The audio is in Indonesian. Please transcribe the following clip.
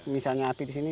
misalnya api di sini